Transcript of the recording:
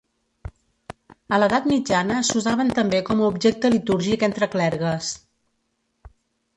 A l'edat mitjana s'usaven també com a objecte litúrgic entre clergues.